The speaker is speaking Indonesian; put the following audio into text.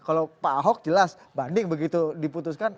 kalau pak ahok jelas banding begitu diputuskan